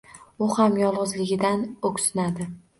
U ham yolgʻizligidan oʻksinadi